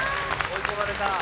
追い込まれた。